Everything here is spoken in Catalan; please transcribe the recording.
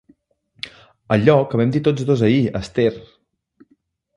Allò que vam dir tots dos ahir, Esther!